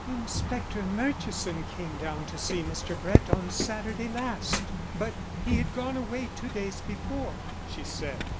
"Inspector Murchison came down to see Mr. Brett on Saturday last, but he had gone away two days before," she said.